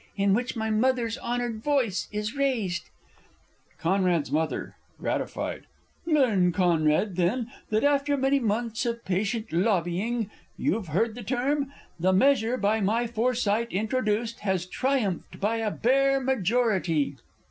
_ In which my Mother's honoured voice is raised! C.'s M. (gratified). Learn, Conrad, then, that, after many months Of patient "lobbying" (you've heard the term?) The measure by my foresight introduced Has triumphed by a bare majority!